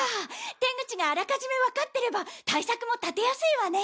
手口があらかじめわかってれば対策もたてやすいわね！